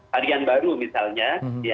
harian baru misalnya